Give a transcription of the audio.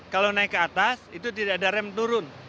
kalau naik ke atas itu tidak ada rem turun